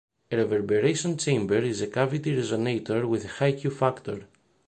A reverberation chamber is a cavity resonator with a high Q factor.